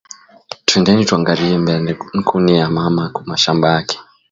Twendeni twangarie mbele nkuni ya mama ku mashamba yake